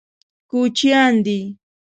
کوچیان دي.